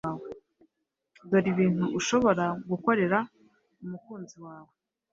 Dore ibintu ushobora gukorera umukunzi wawe